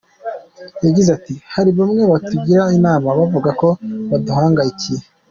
Yagize ati” Hari bamwe batugira inama, bavuga ko baduhangayikiye.